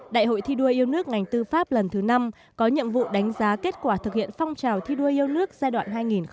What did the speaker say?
đại hội thi đua yêu nước ngành tư pháp lần thứ năm có nhiệm vụ đánh giá kết quả thực hiện phong trào thi đua yêu nước giai đoạn hai nghìn hai mươi hai nghìn hai mươi năm